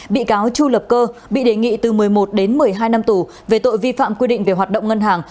bị cáo chu lập cơ bị đề nghị từ một mươi một đến một mươi hai năm tù về tội vi phạm quy định về hoạt động ngân hàng